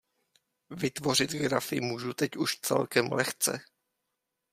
Vytvořit grafy můžu teď už celkem lehce.